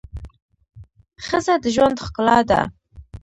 ښځه د ژوند ښکلا ده